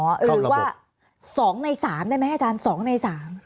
หรือว่า๒ใน๓ได้ไหมอาจารย์๒ใน๓